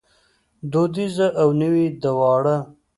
دودیزه او نوې دواړه